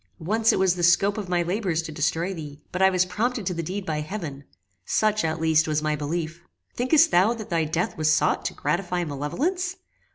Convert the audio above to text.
Once it was the scope of my labours to destroy thee, but I was prompted to the deed by heaven; such, at least, was my belief. Thinkest thou that thy death was sought to gratify malevolence?